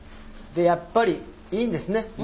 やっぱりいいんですね。